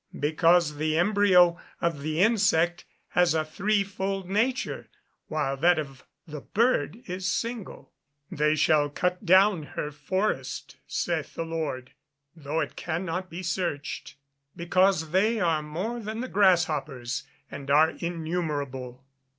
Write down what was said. _ Because the embryo of the insect has a threefold nature, while that of the bird is single. [Verse: "They shall cut down her forest, saith the Lord, though it cannot be searched; because they are more than the grasshoppers, and are innumerable."